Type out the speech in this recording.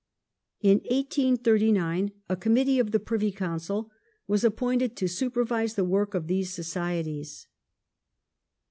In 1839 a Com mittee of the Privy Council was appointed to supervise the work of these societies.